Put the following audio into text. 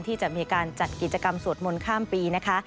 ที่จะมีการจัดกิจกรรมสวดมนต์ข้ามปีนะคะ